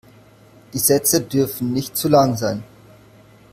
Die Sätze dürfen nicht zu lang sein.